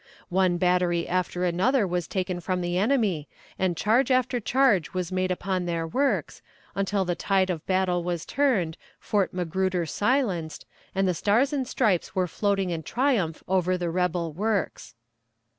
One battery after another was taken from the enemy, and charge after charge was made upon their works, until the tide of battle was turned, Fort Magruder silenced, and the stars and stripes were floating in triumph over the rebel works.